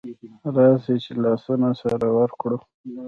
راسئ چي لاسونه سره ورکړو